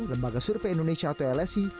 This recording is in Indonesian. lembaga survei indonesia atau lsi